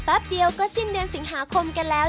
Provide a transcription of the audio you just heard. เผอร์แป๊บเดียวก็สิ้นเดือนสิงหาคมแล้ว